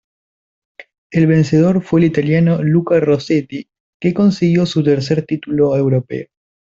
El vencedor fue el italiano Luca Rossetti que consiguió su tercer título europeo.